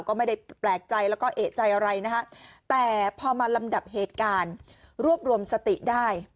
ก็ไม่ได้แปลกใจแล้วก็เอกใจอะไรนะฮะแต่พอมาลำดับเหตุการณ์รวบรวมสติได้